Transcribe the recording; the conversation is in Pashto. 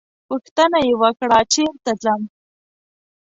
پوښتنه یې وکړه چېرته ځم.